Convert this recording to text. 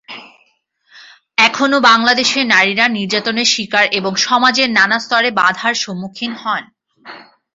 এখনো বাংলাদেশের নারীরা নির্যাতনের শিকার এবং সমাজের নানা স্তরে বাঁধার সম্মুখীন হন।